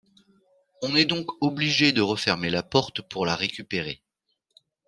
On est donc obligé de refermer la porte pour la récupérer.